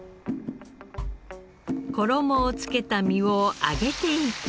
衣をつけた身を揚げていき。